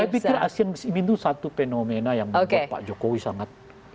saya pikir asian games ini tuh satu fenomena yang buat pak jokowi sangat